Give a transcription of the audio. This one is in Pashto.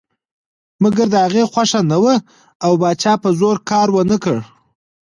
مګر د هغې خوښه نه وه او پاچا په زور کار ونه کړ.